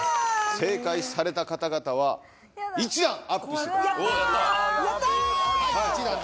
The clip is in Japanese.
正解された方々は１段アップしますやったやった！